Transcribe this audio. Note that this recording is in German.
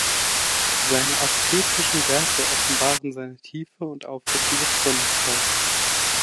Seine asketischen Werke offenbaren seine tiefe und aufrichtige Frömmigkeit.